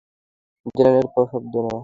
জেনারেটরের শব্দ না?